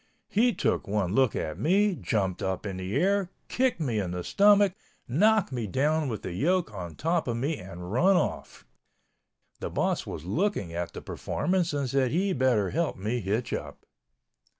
He took one look at me, jumped up in the air, kicked me in the stomach, knocked me down with the yoke on top of me and run off. The boss was looking at the performance and said he better help me hitch up.